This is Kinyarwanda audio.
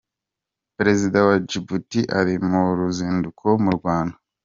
Perezida wa Djibouti ari mu ruzinduko mu Rwanda.